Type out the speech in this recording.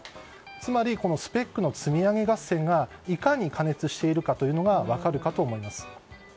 つまりスペックの積み上げ合戦がいかに過熱しているかというのが分かるかと思います。